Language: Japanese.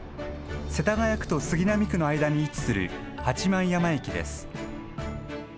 世田谷区と杉並区の間に位置する八幡山駅です。